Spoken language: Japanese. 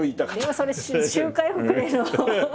それ周回遅れの。